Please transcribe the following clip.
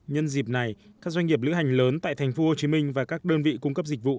nhân dịp này các doanh nghiệp lữ hành lớn tại tp hcm và các đơn vị cung cấp dịch vụ